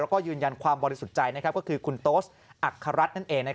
แล้วก็ยืนยันความบริสุทธิ์ใจก็คือคุณโต๊สอัคฮรัฐนั่นเอง